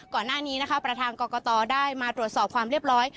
ก่อนหน้านี้นะคะประธานกรกตได้มาตรวจสอบความเรียบร้อย